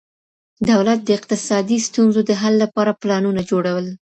دولت د اقتصادي ستونزو د حل لپاره پلانونه جوړول.